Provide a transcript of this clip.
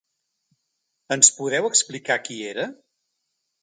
Ens podeu explicar qui era?